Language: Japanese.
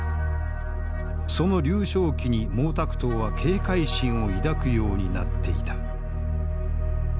その劉少奇に毛沢東は警戒心を抱くようになっていた。